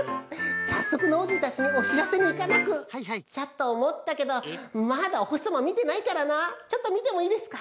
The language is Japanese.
さっそくノージーたちにおしらせにいかなくちゃとおもったけどまだおほしさまみてないからなちょっとみてもいいですか？